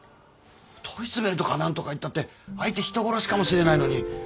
問い詰めるとか何とかいったって相手人殺しかもしれないのに。